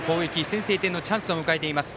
先制点のチャンスを迎えています。